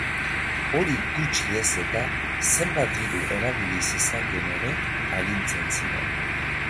Hori gutxi ez eta, zenbat diru erabili zezakeen ere agintzen zion.